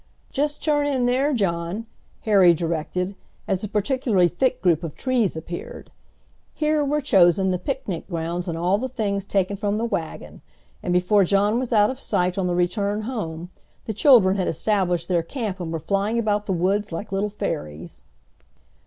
"Just turn in there, John!" Harry directed, as a particularly thick group of trees appeared. Here were chosen the picnic grounds and all the things taken from the wagon, and before John was out of sight on the return home the children had established their camp and were flying about the woods like little fairies.